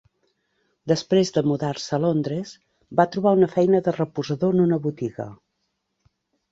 Després de mudar-se a Londres, va trobar una feina de reposador en una botiga.